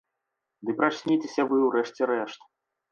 Ды прачніцеся вы ў рэшце рэшт!